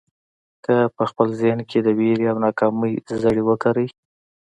که په خپل ذهن کې د وېرې او ناکامۍ زړي وکرئ.